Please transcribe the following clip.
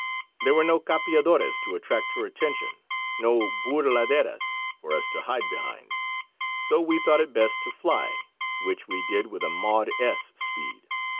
There were no capeadores to attract her attention, no bourladeras for us to hide behind, so we thought it best to fly, which we did with a Maud S speed.